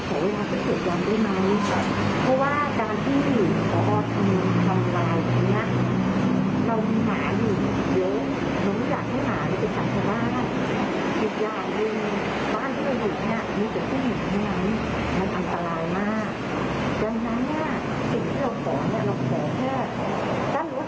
ผมทำปัญหาค่ะ